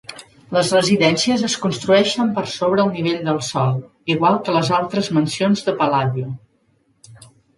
Les residències es construeixen per sobre el nivell del sòl, igual que les altres mansions de Palladio.